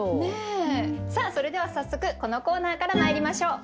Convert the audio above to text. さあそれでは早速このコーナーからまいりましょう。